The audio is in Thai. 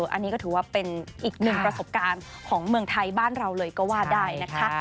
อันนี้ก็ถือว่าเป็นอีกหนึ่งประสบการณ์ของเมืองไทยบ้านเราเลยก็ว่าได้นะคะ